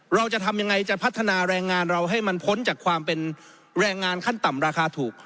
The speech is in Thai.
เราจะทำยังไงจะพัฒนาแรงงานเราให้มันพ้นจากความเป็นแรงงานขั้นต่ำราคาถูก